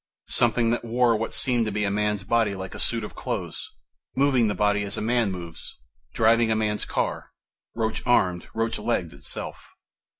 _ Something that wore what seemed to be a man's body like a suit of clothes, moving the body as a man moves, driving a man's car ... roach armed, roach legged itself!